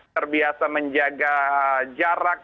terbiasa menjaga jarak